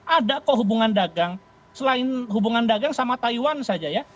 ada kok hubungan dagang selain hubungan dagang sama taiwan saja ya